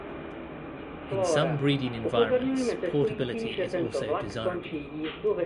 In some breeding environments portability is also desirable.